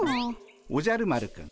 おじゃる丸くん